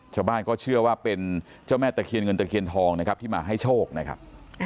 ชาวบ้านก็เชื่อว่าเป็นเจ้าแม่ตะเคียนเงินตะเคียนทองนะครับที่มาให้โชคนะครับ